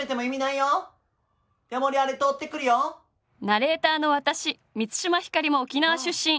ナレーターの私満島ひかりも沖縄出身。